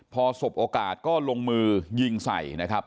พอสบโอกาสก็ลงมือยิงใส่นะครับ